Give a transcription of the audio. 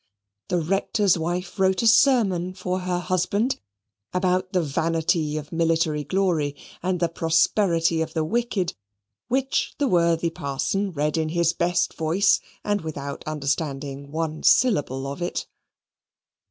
The Rector's wife wrote a sermon for her husband about the vanity of military glory and the prosperity of the wicked, which the worthy parson read in his best voice and without understanding one syllable of it.